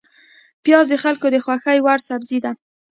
پیاز د خلکو د خوښې وړ سبزی ده